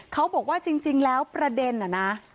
เขาบอกว่าจริงแล้วประเด็นน่ะนะ